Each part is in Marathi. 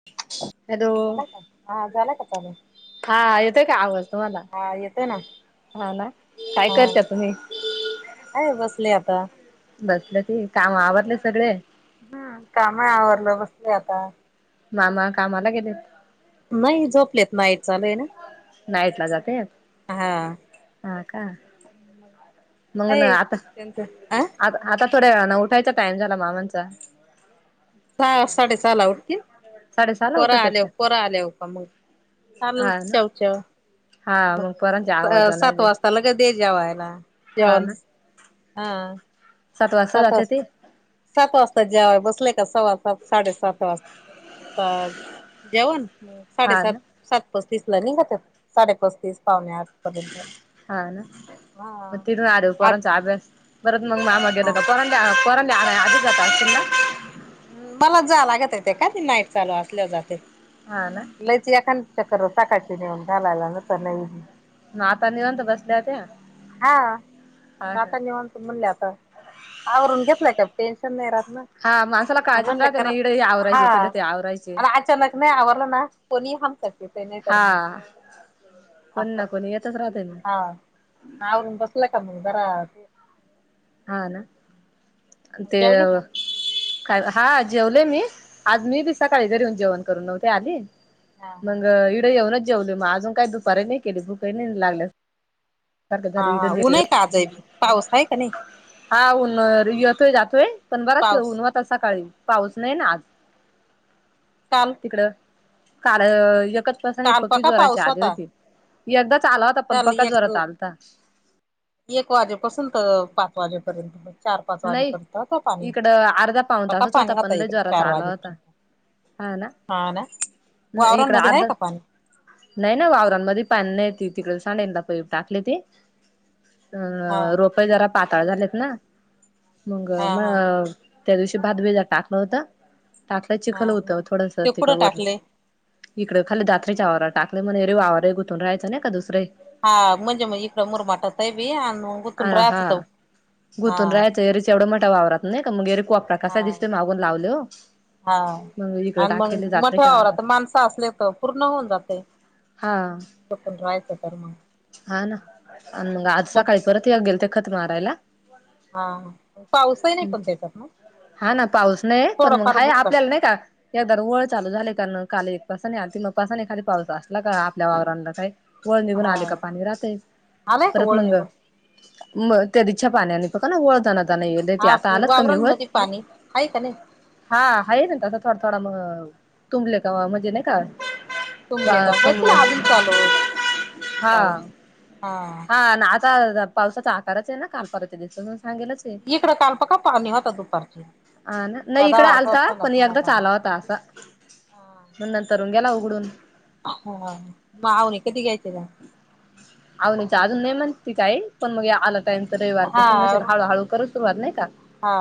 [inaudible] आला का हा झाला का चालू हा येते का आवाज. तुम्हाला हा येतोय ना हा ना काय करता तुम्ही? आहे बसले आता. बसल्याती काम आवरले सगळे? हम् काम आवरलं बसली आता. मामा कामाला गेले? नाही झोपलेत नाईट चालू ये ना नाईटला जात्यात हा हा का. म काय आता त्यांचं अ आता थोड्या वेळा न उठायचा टाइम झाला मामा चा सहा साडे आला उठतील साडेसहाला पोर उठत आहेत आले हो का पोर आल्या हो का मग. हा चालूच ना चावाचावं हा मग पोरांच्या आवाजाने तलग दे जेवायला जेवण हा. सात वाजता जाते ते. सात वाजता जेवाय बसलेय का सवा सात साडेसात वाजता. जेवण हा साडेसात ना सात पस्तीस ला निगत्यात कसाडेपस्तीस. हा ना म हा तिडून आल्यावर आठ पोरांचा अभ्यास. पररं मग मा गेलं हा का परड्या परड्या आधी जाता असश ना मला जा लागत येते का ती नाईट चालू असल्या जाते. हा ना. च एखा चक्र साकाळची नेऊन घालायला ना तर नाही. मग आता निवंत बसल्या ते. हा आता निवांत. म्हणले आता आवरून घेतलाय का टेन्शन नाही राहत ना. हा माणसाला काळजीत राहते ना इडे [unintelligible] हा आवरायचे तिथे ते आवरायचे आता अचानक ने आवरल ना. कोणी हमसाठी नाही तर हा मग. कोणी असं ना कोणी येतच राहते ना. हा हा बसले का म बर. हा ना ते. जेवली का का हा जेवले मी आज मी बी सकाळी घरी येऊन जेवण करून नव्हते आली. हा हा मग इडं येऊनच जेवले मग अजून काही दुपारीही नाही केली भूकही नाही लागल्या. सारखं हा झालं हा ऊन इडली नाही काजब पाऊस हाय का नाही. हा उन येतोय जातोय पण बराच पाऊस उन होतो सकाळी पाऊस नाही ना आज. काम. [unintelligible] काल पकी पका जोराची पाऊस आधी होता होती एकदाच आला होता पण काल पक्का एक जोरात आलता. एक वाजेपासून पाच वाजेपर्यंत. चार-पाच नाही वाजेपर्यंत होता पाणी इकडं अर्धा पाऊन का तासच पाणी होता पण लय एक जोराचा चार आला होता वाजेपर्यंत. हा ना हा ना, इकड वावरांमध्ये आहे अर्ध का पाणी? नाही ना वावरांमध्ये पा नाही त तिकडे सांडे प टाकली ती. हा अं रोपे जरा पाताळ झालेत ना‌. मग हा म हा त्या दिवशी भातभीजा टाकण होतं. टाकला हा चिखल होतं थोडस ते तिक कुठं वर. टाकले इकड खाली दात्रीच्या आववर टाकले म्ह रे वावरे गुथून राहायं ना नाही का दुसरे. हा म्हणजे इकडं मुरमाठा साहेबी आणि. गुतून हा हा राहत होत हा गुंतून राहायचं एरीच एवढं मोठा वावरतात नाही का मग एरी को वापरात. हा कसा दिसत मागून लावल हो. हा मग इकडे आणि मग टाकले मोठ्या जात्रेच्या वावरात वावरवरात माणसं असले तर पूर्ण होऊन जाते. हा. कोण वायसं तर्मा. हा ना आणि मग आज सकाळी परत ये गेल ते खत मारायला. हा पावसाही नाही कोण त्याच्यात ना. हा ना पाऊस नाही पण मग थोडंफार हा बुरका आपल्याला नाही का. एकदा वळ चालू झाले कारण काल एक पासन आलते मग पासून एखादी पाऊस असला का आपल्या वावरांला काय. वळ निघून हा आले का पाणी राहातय आलाय का परत ओळ मंग. निघून मग त्यादिसच्या पाण्याने का न वळताना.. आ नाही ते हा आता आलात कमी होत. वावरांमध्ये पाणी आहे का नाही [inaudible] हा आहे ना तं थोडा थोडा म तुंबले का म्हणजे नाही का. तुमले का होच ना अजून चालू. हा, पाऊस हा न आज पावसाचा आकारच आहे न काल परवाचा दिवसा. हां गेलं स. इकडं काळ पका पाणी होतं दुपारची अ नाही रदाळ इकड असा आलता सना पण सना एकदाच् पाणी आला होता असा मग नंतरून गेला उघडून हा [unintelligible] औन जाचाज ने मण ते काय. पण मग आला टईम तर रविवार हा पासून हळूहळू करु सुरुवात नाही का. हा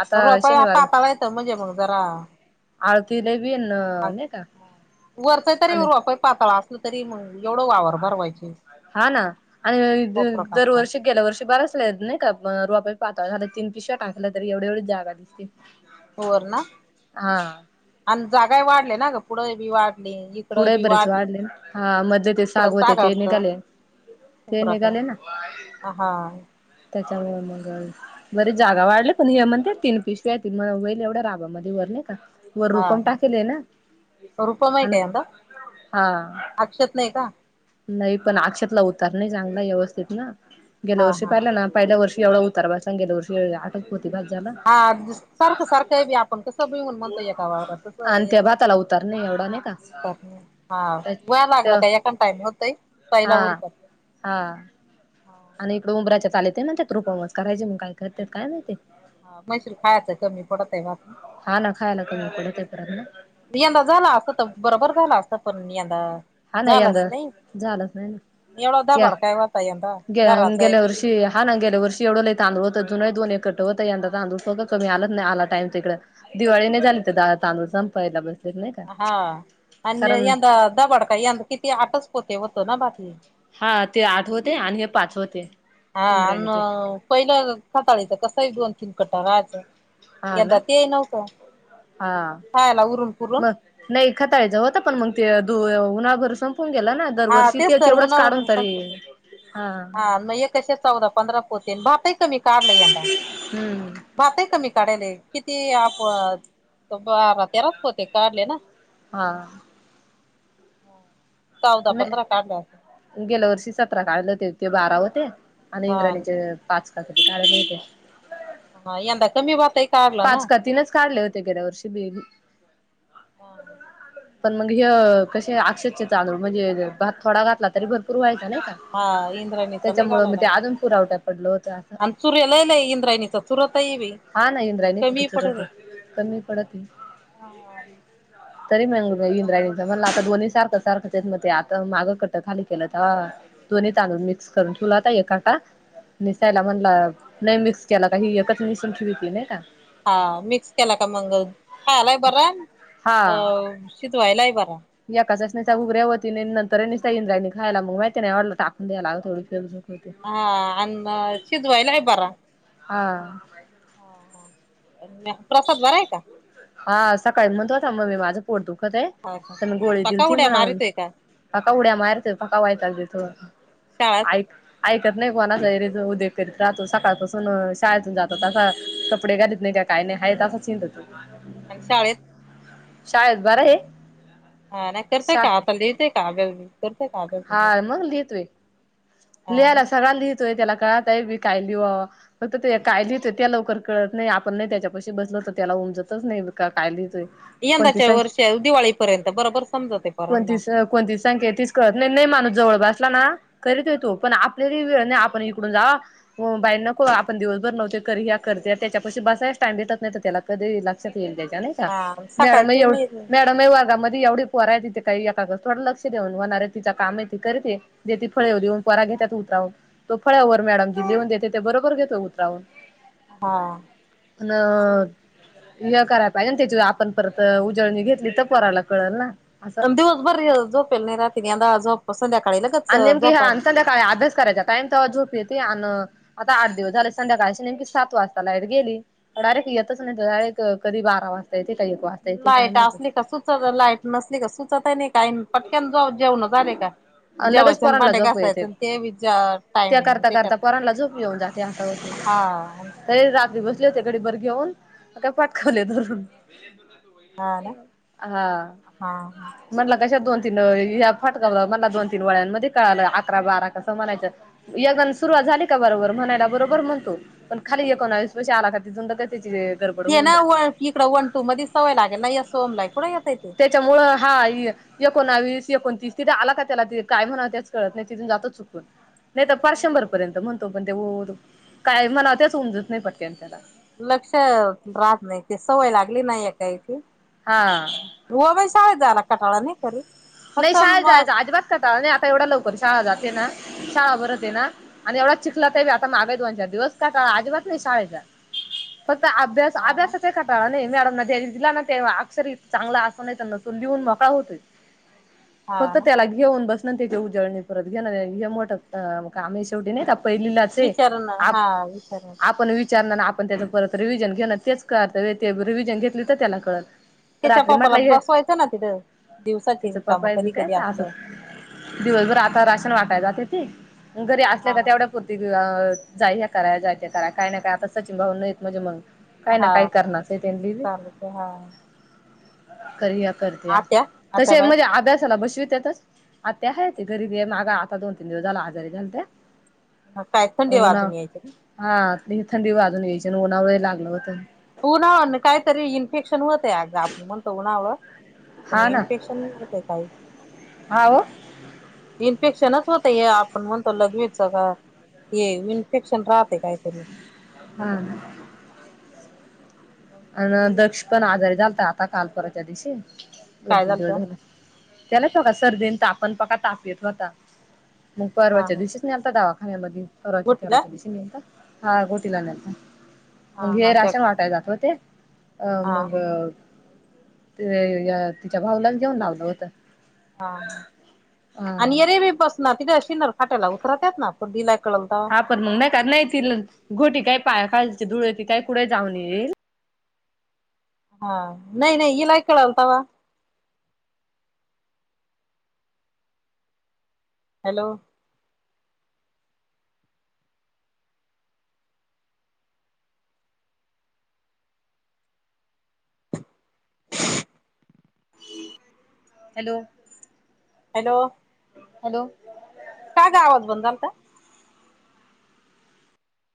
आता रोपा शनिवार पापाला येतं म्हणजे मग जरा. आळतीले बीन. वरचं तरी रोप पातळ असल तरी मग एवढं वावर भरवायची हा ना आणि कोपरा कापरा दरवर्षी गेल्या वर्षी बारचल्या नाही रोपही पातळ झालं तीन पिशव्या टाकल तरी एवढे एवढी जागा दिसते. वर ना हा आणि जागा वाढले नाग पुढं बी वाढली इकडं पुढेही बी बरेच वाढली वाढले हा मधले ते साग होते ते निघाले. ते कुमरका निघाले हा हा. त्यांच्यामुळे मग. बरे जागा वाढले हे म्हणते तीन पिशव्या यतीन वईल एवढ्या राबामध्ये वरले का. वरुण पण टाकेलय ना. रुपम हे आणि काय यंदा हा. अक्षत नाही का? नाही पण अक्षेतला उतार नाही चांगला व्यवस्थेत ना गेल्या हा वर्षी हा पाहिलं ना. पहिल्या वर्षी एवढा उतार बसला गेल्या वर्षी आठ पोती भात झाला. काही बी आपण कसं बिऊन म्हणतोय एका वावरात आणि त्या भाताला उतार नाही एवढा नाही का [unintelligible] हा व्हाला लागलं का एखान टाईम होतय. पहिला हा उरपत हा. आणि हा इकडे उंराच्या चालेत आहे ना त्यात रूपमस करायचे मग काय करते काय माहिती. हा म्हशी ला खायचं कमी पडताय भात ना हा ना खायला कमी पडतंय परत मग यंदा झाला असत तर बरोबर झालं असत पण यंदा. हा ना झालंच यंदा नाही झालंच नाही ना एवढा या धबड काय होता यंदा गे घराच आहे गेल्या बी वर्षी हा ना गेल्या वर्ष एवढ लय तांदूळ होत, जुनही दो एकटं होतं यंदा तांदूळ सों कमी आलंत नाही आला टाइम तिकड दिवाळी नाही झाली तर तांदूळ संपायला बस हा आणि यंदा दबाड का यंदा किती आटच पोते होत ना भात हे हा ते आठ होते आणि हे पाच होते. हा आण इंद्राणीचे पहिलं खाताळीचं कस दोन तीन कट राहायचं. हा ना यंदा ते नव्हतं, हा खायला उरून पुरून. मग नाही खाताळायचं होत पण मग ते द उन्हाभर संपून गेला ना. हा दरवर्षी तेच ते तर तेवढंच उन्हाळ काढून तरी संपून हा म हे कशे चौदा. पंधरा पोतेन भातही कमी काडला यंदा. हम्म. भात आहे कमी काढायले किती आप बारा तेराच पोते होते काढले ना? हा चौदा पधरा नाही काढले असतील गेल्या वर्षी सतरा काढले होते ते बारा होते आणि हा इंद्राणीचे पाच काय काढले होते. ह यंदा कमी भात आहे पाच का तीनच काढले होते गेल्या वर्षी बेग पण मग ह कसे अक्षदचे तांदूळ म्हणजे भात थोडा घातला तरी भरपूर व्हायचा नाही का हा इंद्राणी च त्याच्यामुळे मी ते अजून पुरावठ्या पडल होतं अ चूरय लाय लाय इंद्रायणीचा चुरता आहेवी हा नाही इंद्राय नाही कुठच कमी पडत ये. तरी मग इंद्राणींच म्हणलं आता दोन्ही सारख सारखंच येत मग ते आता मागं कट्ट खाली केलं तेव्हा. दोन्ही तादूळ मिक्स करून ठुलाता एक कटा. निसायला म्हणला नाही मिक्स केला का ह एकच निसून ठिवती नाही का. हा मिक्स केला का मंग खायलाय बर अ शिजवायला बरा. एकाचच् नुसत्या उगऱ्या होतीन आणि नंतर निस्ता इंद्रायानी खायला मग माहिती ना येवडल टाकून द्यायला लागतो येवेडी फे झुक होते. हा अन शिजवायला ही बरा हा हा हा प्रसाद बराय का? हा सकाळी म्हणतं होता मम्मी माझं पोर दुखतं आहे हा का पण गोळी दिली पका ती उड्या म्हणून मारितोय का पका उड्या मारते पका वयतगद शाळात थोयत ऐकत नाही कोणाचा र उदोग करीत राहतो सकाळपासून शाळेतून जातात कपडे घालीत नाही काय काय नाही हाय तच चिंत तु आणि शाळेत शाळेत बरं आहे? हा नाही करत शा का आतल दिते का आबल करत काल हा मग लिहितोय हा ना लिहायला सगळ्यांना लिहितोय त्याला कळतं आहे बी काय लिवा फक्त ते काय लिहतोय त्या लवकर कळतं नाही आपण नाही त्याच्या पशी बसलं तर त्याला उमजतच नाही काय लिहतय यंदाच्या वर्षी दिवाळीपर्यंत बरोबर समजते कोणती पोरांना कोणती संख्या तीच कळ नाही नाही माणूस जवळ बासला ना करीत येतो पण आपल्याली वेळ नाही आपण इकडून जा हो बाई नको आपण दिवसभर नव्हते कररी ह्या करते त्याच्या प बसायस टाइम देत नाही त्याला कधी लक्षात येईल त्याच्या नाही का हा मॅडम मग सकाळची नाही एवढं वर्गामध्ये एवी पोराय एका काहीका थोडं लक्ष देऊन होणार आहे तिचा काम आहे ति करत जे ती फळे देऊन पोरांना घेतातत उतरावं तो फळ्यावर मॅडम जी लिहून देते ते बरोबर घेतो उतरावून हा आणि आ करायला पाहिजे त्याची आपण परत उजळणी घेतली तर पोराला कळलं ना असं दिवसभर झोपेल नाही राती आता झोप संध्याकाळी लवकर आणिे नेमकी ह संध्याकाळी अभ्यास करायचा टाईम तेव्हा झोप येते आणि आता आठ दिवस झाले संध्याकाळची नेमकी सात वाजता लाईट गेली डायरेक्ट येतच नाही डारेक्ट कधी बारा वाजता येते काही एक वाजता येते काय माहित सुत लाईट नसली का सुचत नाही का पटक्यान जा जेवण झाले का लगेच जेवायचं पोरांला भांडे झोप येते घासायच ते विचार टाइमिंग त्याच्यात जात आता हा होत. हे रात्री बसले होते घडीभर घेऊन मग काय पाटकावले धरून हा ना हा हा हा मला कशा दोन तीन याया फटकाव मला दोन तीन वळ्यांमध्ये कळालं अकरा-बारा कसं म्हणायचं यगन सुरुवात झाली का बरोबर म्हणायला बरोबर म्हणतो पण खाली एक कोणास आला त्या [unintelligible] ते ना व इकड वन-टू मध्ये सवय लागेल ना या सोम लाय कुठे येतय ते. त्याच्यामुळे हा. एकोणावी- एकोणतीस तिथे आला का त्याला ते काय म्हणा त्याच कळत नाही तिथून जातच चुकून. नाही तर पाारच शंभर पर्यंत म्हणतो पण ते काय म्हणा तेच उमजत नाही पडते त्याला. लक्ष राहत नाही ते सवय लागली नाही एकाहीची. हा. रुवा बाई सााळ झाला कटाळा नाही कर. नाही शाळेत जायच अजिबात कटला नाही आता एवढा लवकर शाळा जाते ना शाळा बरते आहे ना. आणि एवढा चिखला त बी आता माग बी दोनचार दिवस कटला आजिबात नाही शाळेचा फक्त आब अभ्यास हा ना अभ्यासाचा कट नाही मॅडम द्या दिला ना ते अक्षर चांगलं असं नाही त्यां न तून लिहून मोकळा होतोय हा फक्त ना त्याला घेऊन बसण त्याच्या उजळणी परत घेण हे मोठ काम आम्ही शेवटी नाही पहिलीलाच विचार ना आप हा विचार ना आपण विचारणार आप पण त्याच परत रिव्हिजन घेण तेच ते रिव्हिजन घेतली तर त्याना कळतं त्याच्या पप्पाला बसवायचं ना तिथं दिवसाची त्याचं कामं पप्पा बी कधी काय कधी असंच असलं दिवसभर आता राशन वाटायला जातेथे घरी असल्या हा का तेवढं. ती जाय ह्या कराय जाय त्या कराय काय नाही काय आता सचिन भाव नाहीत म्हणजे मग. काय ना हा काही करणारच आहे त्यां चालूच हा करया करतया. आत्या आता तसे बाय म्हणजे अभ्यासाला बसविततच. आता हायत घरी आहे मागा आता दोन तीन दिवस झाला आजारी झालत्या. ह काय थंडी उन्हा वाजून यायची ना. हा थंडी वाजून घ्यायची उन्हावळे लागलं होत. उन्हाळ काहीतरी इन्फेक्शन होत य अग आपण म्हणतो उन्हावळं को हा ना इन्फेक्शन होते काही? हा हो इन्फेक्शनच होत हे आपण म्हणतो लघवीच काय हे इन्फेक्शन राहते काहीतरी. हम् [inaudible] अ दक्ष पण आजारी झालत आता कालपराच्या दिवशी दोन काय तीन झालत दिवस हा झाले. त्यालाच बघा सर्दीन ताप पण पका ताप येत होता मग हा परर्वाच्या दिवशी नेलत दवाखान्यामध्ये परवाच्या गोटीला तेराच्या दिशी ने लत हा गोटीला नेलता. हा मग हे हा त्या राशन वाटाय जात होते. अ हा मग हा तिच्या भाऊलाच घेऊन लावलं होत. हा हा आणि येरे बी बसणार तिथे अणार खाट्याला उतरात्यात ना तो दिलाय कळम तर आपण मग नाही का नाही त गोटी काय पायाखालची धुळे त काय कुढे जाऊन येईल हा नाही नाही इलाय कळन तवा हॅलो हॅलो हॅलो हॅलो का ग आवाज बंद झालता?